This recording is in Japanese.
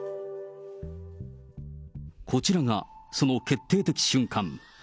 こちらがその決定的瞬間。